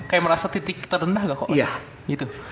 kayak merasa titik terendah gak kok